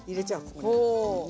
ここに。ね。